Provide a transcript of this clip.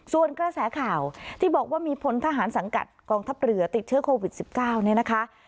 ส่วนกระแสข่าวที่บอกว่ามีพลทหารสังกัดกองทัพเรือติดเชื้อโควิด๑๙เนี่ยนะคะ